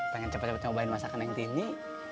pengen cepet cepet cobain masakan neng tini